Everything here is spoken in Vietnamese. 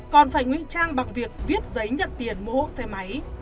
còn phải ngụy trang bằng việc viết giấy nhận tiền mua hộ xe máy